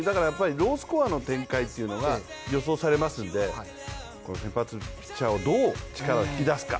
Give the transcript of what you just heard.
ロースコアの展開というのが予想されますので、先発ピッチャーを、どう力を引き出すか。